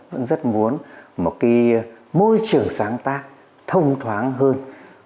vẫn rất muốn một cái môi trường sáng tác thông thoáng hơn